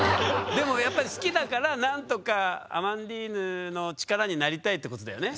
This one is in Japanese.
でもやっぱり好きだから何とかアマンディーヌの力になりたいってことだよね？